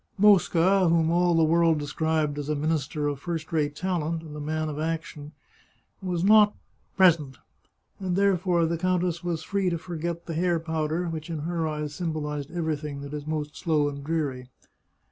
Mosca, whom all the world described as a minister of first rate talent and a man of action, was not present, and therefore the countess was free to forget the hair powder, which in her eyes symbolized everything that is most slow and dreary.